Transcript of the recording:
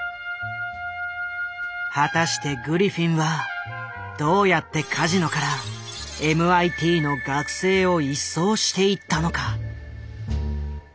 果たしてグリフィンはどうやってカジノからＭＩＴの学生を一掃していったのか？